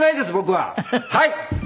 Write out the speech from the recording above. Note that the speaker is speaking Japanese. はい。